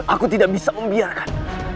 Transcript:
aku tidak bisa membiarkan